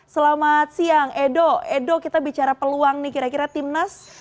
selamat siang edo edo kita bicara peluang nih kira kira timnas